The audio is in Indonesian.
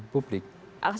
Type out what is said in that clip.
aspek pendidikan publik